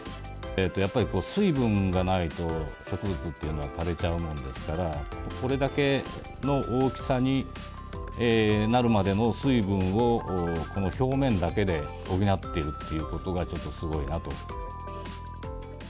やっぱり水分がないと、植物っていうのは枯れちゃうもんですから、これだけの大きさになるまでの水分を、この表面だけで補ってるっていうことが、ちょっとすごいなと。